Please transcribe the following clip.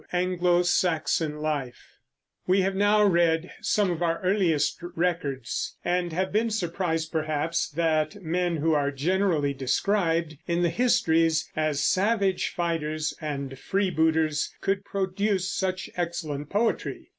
ANGLO SAXON LIFE We have now read some of our earliest records, and have been surprised, perhaps, that men who are generally described in the histories as savage fighters and freebooters could produce such excellent poetry.